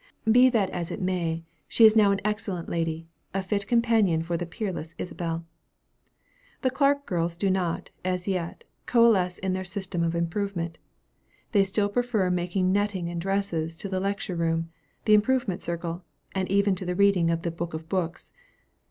Be that as it may, she is now an excellent lady, a fit companion for the peerless Isabel. The Clark girls do not, as yet, coalesce in their system of improvement. They still prefer making netting and dresses, to the lecture room, the improvement circle, and even to the reading of the "Book of books."